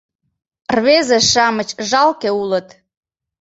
Рвезе-шамыч жалке улыт.